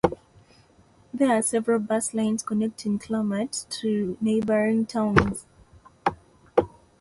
There are also several bus lines connecting Clamart to neighbouring towns.